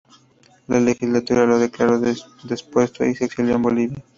La legislatura lo declaró depuesto, y se exilió en Bolivia.